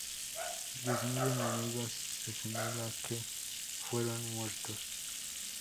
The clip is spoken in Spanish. Diez mil enemigos se señala que fueron muertos.